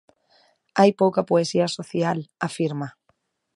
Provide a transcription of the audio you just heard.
Hai pouca poesía social, afirma.